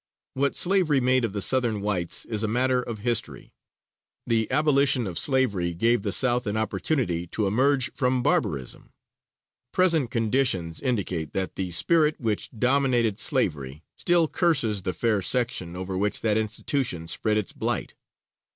What slavery made of the Southern whites is a matter of history. The abolition of slavery gave the South an opportunity to emerge from barbarism. Present conditions indicate that the spirit which dominated slavery still curses the fair section over which that institution spread its blight.